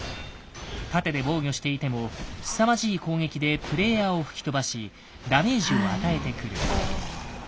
盾で防御していてもすさまじい攻撃でプレイヤーを吹き飛ばしダメージを与えてくる。